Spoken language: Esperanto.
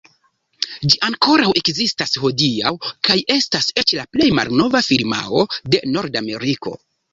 Ĝi ankoraŭ ekzistas hodiaŭ, kaj estas eĉ la plej malnova firmao de Nordameriko.